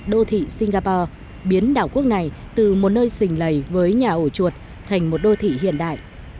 đô thị singapore biến đảo quốc này từ một nơi xình lầy với nhà ổ chuột thành một đô thị hiện đại